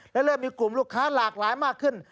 และเริ่มมีกลุ่มลูกค้าหลากหลายมากขึ้น